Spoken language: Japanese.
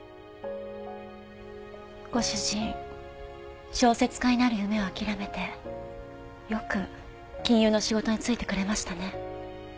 ご主人小説家になる夢を諦めてよく金融の仕事に就いてくれましたね。